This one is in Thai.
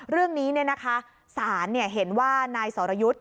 เรื่องนี้ศาลเห็นว่านายสรยุทธ์